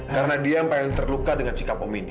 karena dia yang terluka dengan sikap kamu ini